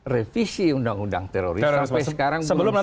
revisi undang undang teroris sampai sekarang belum selesai